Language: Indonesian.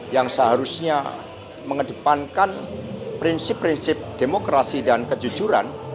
yang seharusnya mengedepankan prinsip prinsip demokrasi dan kejujuran